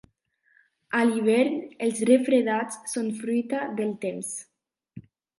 A l'hivern, els refredats són fruita del temps.